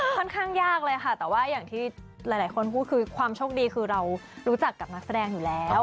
ค่อนข้างยากเลยค่ะแต่ว่าอย่างที่หลายคนพูดคือความโชคดีคือเรารู้จักกับนักแสดงอยู่แล้ว